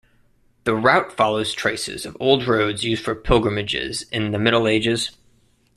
The route follows traces of old roads used for pilgrimages in the Middle Ages.